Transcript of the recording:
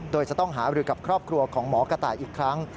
โดยจะต้องหารือกับครอบครัวของหมอกระต่ายอีกครั้ง